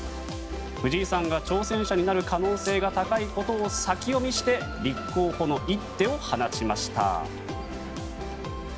藤井さんが挑戦者になる可能性が高いことを先読みして立候補の一手を放ちました。